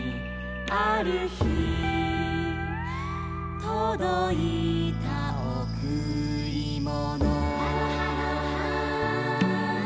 「あるひとどいたおくりもの」「」